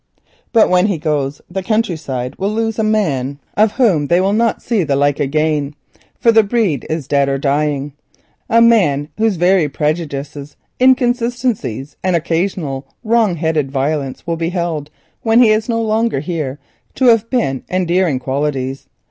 But when he goes the country side will lose a man of whom they will not see the like again, for the breed is dead or dying; a man whose very prejudices, inconsistencies, and occasional wrong headed violence will be held, when he is no longer here, to have been endearing qualities.